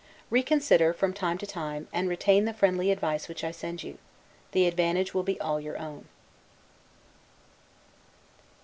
Reconsider, from time to time, and retain the friendly advice which I send you. The advantage will be all your own.